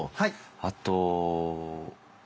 あと。